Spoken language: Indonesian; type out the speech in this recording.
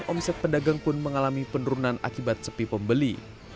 omset pedagang pun mengalami penurunan akibat sepi pembeli